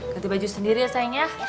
ganti baju sendiri ya sayang ya